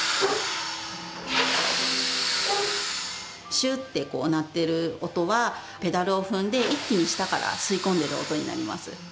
シューって鳴ってる音はペダルを踏んで一気に下から吸い込んでる音になります